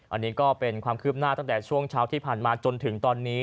อันนี้ก็เป็นความคืบหน้าตั้งแต่ช่วงเช้าที่ผ่านมาจนถึงตอนนี้